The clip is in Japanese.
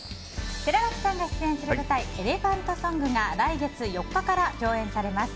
寺脇さんが出演する舞台「エレファント・ソング」が来月４日から上演されます。